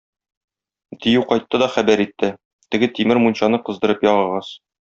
Дию кайтты да хәбәр итте: Теге тимер мунчаны кыздырып ягыгыз.